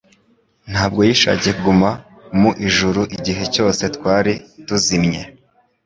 Ntabwo yishakiye kuguma mu ijuru igihe cyose twari tuzimiye.